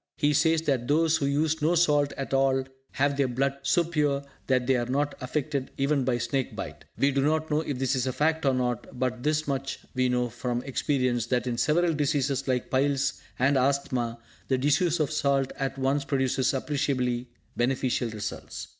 He says that those who use no salt at all have their blood so pure that they are not affected even by snake bite. We do not know if this is a fact or not, but this much we know from experience, that, in several diseases like piles and asthama, the disuse of salt at once produces appreciably beneficial results.